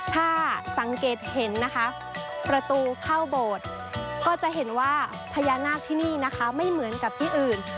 ถ้าสังเกตเห็นนะคะประตูเข้าโบสถ์ก็จะเห็นว่าพญานาคที่นี่นะคะไม่เหมือนกับที่อื่น